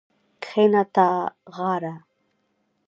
کښېنه تاغاره